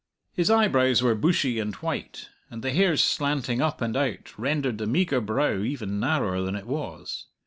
His eyebrows were bushy and white, and the hairs slanting up and out rendered the meagre brow even narrower than it was.